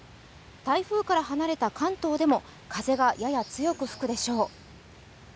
台風から離れた関東でも風がやや強く吹くでしょう。